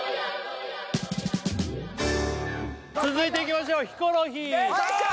続いていきましょうヒコロヒーよいしょ！